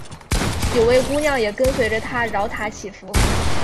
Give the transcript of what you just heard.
有位姑娘也跟随着他饶塔祈福。